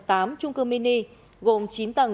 trung cư mini gồm chín tầng